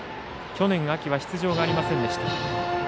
去年秋は出場がありませんでした。